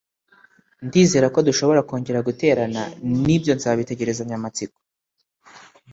Ndizera ko dushobora kongera guterana Nibyo nzabitegerezanya amatsiko